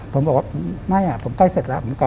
ผมบอกว่าไม่ผมใกล้เสร็จแล้ว